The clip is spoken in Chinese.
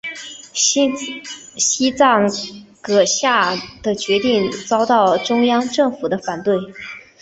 西藏噶厦的决定遭到中央政府的反对。